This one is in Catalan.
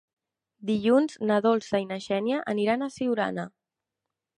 Dilluns na Dolça i na Xènia aniran a Siurana.